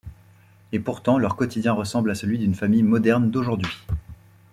Et pourtant, leur quotidien ressemble à celui d’une famille moderne d’aujourd’hui.